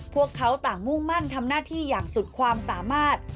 พวกเขาต่างมุ่งมั่นทำหน้าที่อย่างสุดความสามารถ